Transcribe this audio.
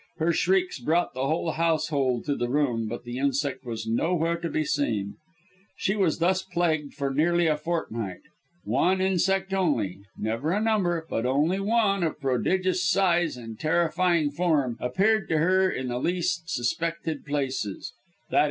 Her shrieks brought the whole household to the room, but the insect was nowhere to be seen. She was thus plagued for nearly a fortnight. One insect only never a number, but only one, of prodigious size and terrifying form appeared to her in the least suspected places, _i.